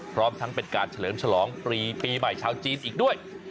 พร้อมทั้งเป็นการเฉลิมฉลองปีใหม่ชาวจีนอีกด้วย